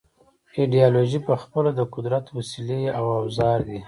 ایدیالوژۍ پخپله د قدرت وسیلې او اوزار دي.